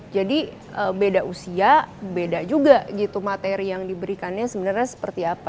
jadi beda usia beda juga gitu materi yang diberikannya sebenarnya seperti apa